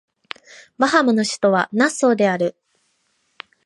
バハマの首都はナッソーである